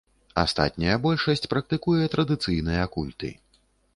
Астатняя большасць практыкуе традыцыйныя культы.